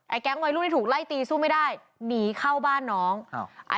แก๊งวัยรุ่นที่ถูกไล่ตีสู้ไม่ได้หนีเข้าบ้านน้อง